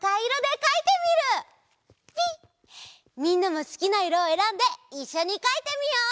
みんなもすきないろをえらんでいっしょにかいてみよう！